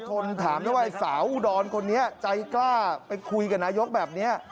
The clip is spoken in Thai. ทนถามได้ว่าไอ้สาวอุดรคนนี้ใจกล้าไปคุยกับนายกแบบนี้